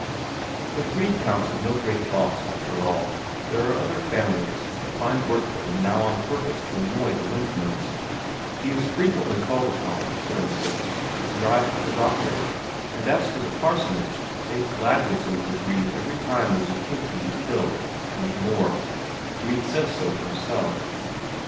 But Brede counts it no great loss, after all; there are other families that find work for him now on purpose to annoy the Lensmand's; he is frequently called upon, for instance, to drive for the doctor, and as for the parsonage, they'd gladly send for Brede every time there's a pig to be killed, and more Brede says so himself.